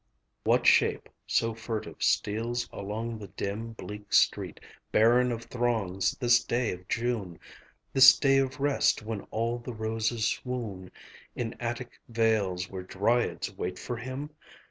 [John Myers O'Hara] What shape so furtive steals along the dim Bleak street, barren of throngs, this day of June; This day of rest, when all the roses swoon In Attic vales where dryads wait for him?